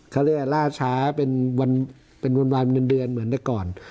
เขาเรียกว่าล่าช้าเป็นวันเงินเดือนเหมือนแต่ก่อน